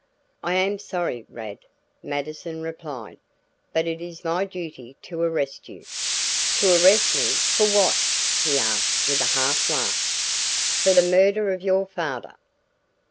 "I am sorry, Rad," Mattison replied, "but it is my duty to arrest you." "To arrest me, for what?" he asked with a half laugh. "For the murder of your father."